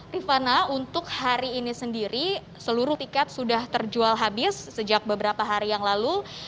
rifana untuk hari ini sendiri seluruh tiket sudah terjual habis sejak beberapa hari yang lalu